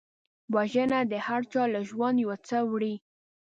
وژنه د هرچا له ژونده یو څه وړي